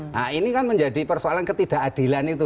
nah ini kan menjadi persoalan ketidakadilan itu